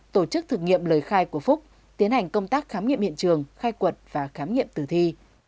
tổ chức thực nghiệm lời khai của phúc tiến hành công tác khám nghiệm hiện trường khai quật và khám nghiệm tử thi